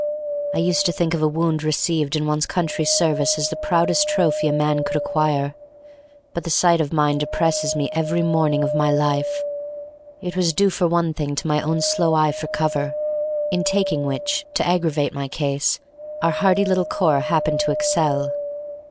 I used to think of a wound received in one's country's service as the proudest trophy a man could acquire. But the sight of mine depresses me every morning of my life; it was due for one thing to my own slow eye for cover, in taking which (to aggravate my case) our hardy little corps happened to excel.